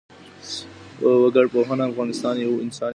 وګړپوهنه انسان د يو فرهنګي موجود په توګه پېژني.